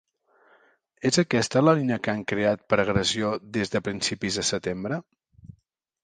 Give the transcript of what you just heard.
És aquesta la línia que han creat per agressió des de principis de setembre?